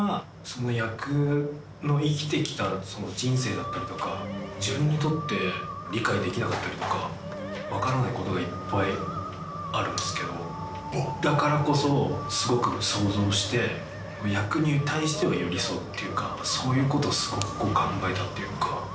だったりとか自分にとって理解できなかったりとか分からないことがいっぱいあるんですけどだからこそすごく想像して役に対しては寄り添うというかそういうことをすごく考えたというか。